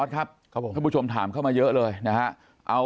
ครับผมท่านผู้ชมถามเข้ามาเยอะเลยนะฮะเอา